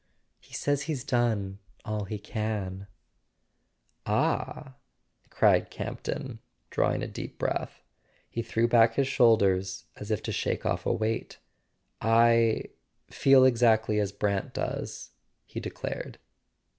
He says he's done all he can." ■[ 181 ] A SON AT THE FRONT "All " cried Campton, drawing a deep breath. He threw back his shoulders, as if to shake off a weight. "I—feel exactly as Brant does," he declared.